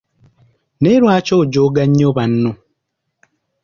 Naye lwaki ojooga nnyo banno?